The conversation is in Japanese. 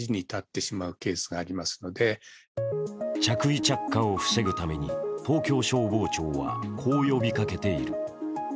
着衣着火を防ぐために、東京消防庁はこう呼びかけている。